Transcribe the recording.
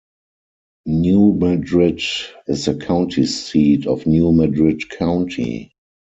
New Madrid is the county seat of New Madrid County.